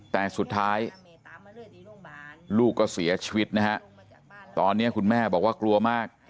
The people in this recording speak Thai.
แต่สุดท้ายลูกก็เสียชีวิตนะฮะตอนนี้คุณแม่บอกว่ากลัวมาก